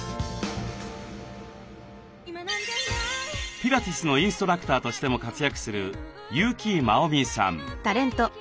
ピラティスのインストラクターとしても活躍する優木まおみさん。